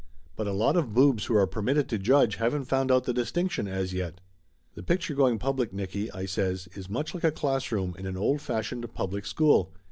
But a lot of boobs who are permitted to judge haven't found out the distinction as yet!" "The picture going public, Nicky," I says, "is much like a classroom in an old fashioned public school.